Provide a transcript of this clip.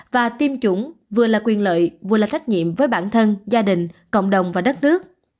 và tiêm chủng vừa là quyền lợi vừa là trách nhiệm với bản thân gia đình cộng đồng và đất nước